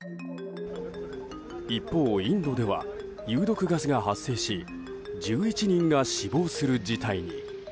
一方、インドでは有毒ガスが発生し１１人が死亡する事態に。